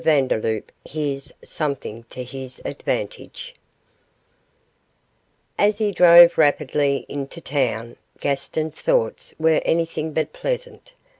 VANDELOUP HEARS SOMETHING TO HIS ADVANTAGE As he drove rapidly into town Gaston's thoughts were anything but pleasant.